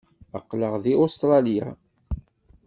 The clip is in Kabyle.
Aql-aɣ deg Ustṛalya.